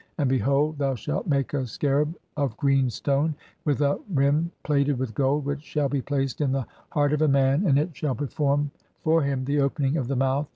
AND BEHOLD, THOU SHALT MAKE A SCARAB OF GREEN STONE, WITH (7) A RIM PLATED (?) WITH GOLD, WHICH SHALL BE PLACED IN THE HEART OF A MAN, AND IT SHALL PERFORM FOR HIM THE "OPENING OF THE MOUTH".